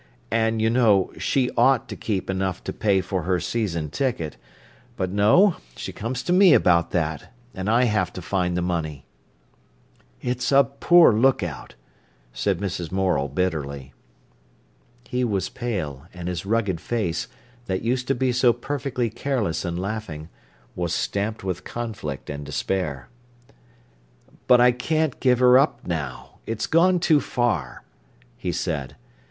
And, you know, she ought to keep enough to pay for her season ticket; but no, she comes to me about that, and I have to find the money." "It's a poor lookout," said Mrs. Morel bitterly. He was pale, and his rugged face, that used to be so perfectly careless and laughing, was stamped with conflict and despair. "But I can't give her up now; it's gone too far," he said.